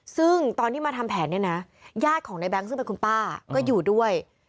ซึ่งตอนที่มาทำแผนเนี่ยนะญาติของในแบงค์ซึ่งเป็นคุณป้าก็อยู่ด้วย